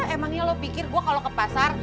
emangnya lo pikir gue kalau ke pasar